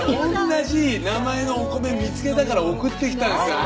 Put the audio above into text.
同じ名前のお米見つけたから送ってきたんですよ。